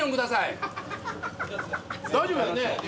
大丈夫やんね？